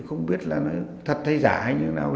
không biết là nó thật hay giả hay như thế nào